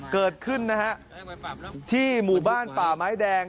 เกิดขึ้นนะฮะที่หมู่บ้านป่าไม้แดง